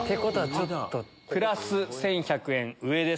プラス１１００円上です。